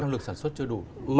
năng lực sản xuất chưa đủ